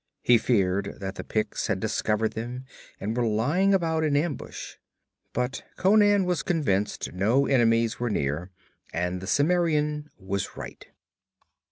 He feared that the Picts had discovered them and were lying about in ambush. But Conan was convinced no enemies were near, and the Cimmerian was right.